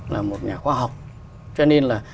và một nhà khoa học cho nên là